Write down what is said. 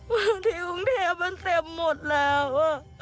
บางทีกรุงเทพมันเต็มหมดแล้ว